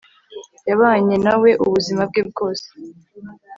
yabanye na we ubuzima bwe bwose